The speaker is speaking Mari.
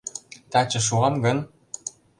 — Таче шуам гын?